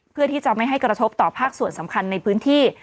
เพื่อที่จะไม่ให้กระทบต่อภาคส่วนสำคัญในพื้นที่